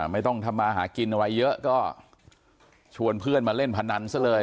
ไม่ต้องทำมาหากินอะไรเยอะก็ชวนเพื่อนมาเล่นพนันซะเลย